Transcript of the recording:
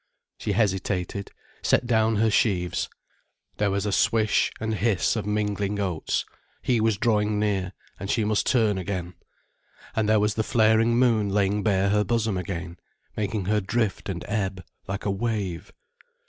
She hesitated, set down her sheaves, there was a swish and hiss of mingling oats, he was drawing near, and she must turn again. And there was the flaring moon laying bare her bosom again, making her drift and ebb like a wave.